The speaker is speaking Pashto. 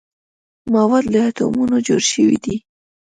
مواد له اتومونو جوړ شوي دي.